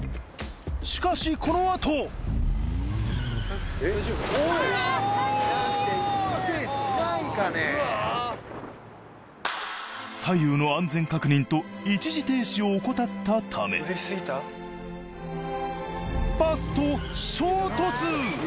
しかしこのあと左右の安全確認と一時停止を怠ったためバスと衝突！